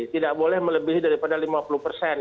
tidak boleh melebihi daripada lima puluh persen